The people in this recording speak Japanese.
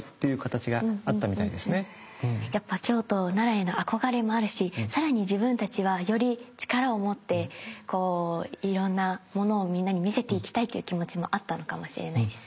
やっぱ京都・奈良への憧れもあるし更に自分たちはより力を持っていろんなものをみんなに見せていきたいっていう気持ちもあったのかもしれないですね